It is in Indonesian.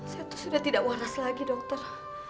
saya tuh sudah tidak waras lagi dokter